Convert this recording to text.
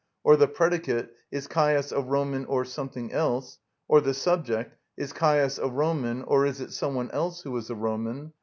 or the predicate, "Is Caius a Roman—or something else?" or the subject, "Is Caius a Roman—or is it some one else who is a Roman?"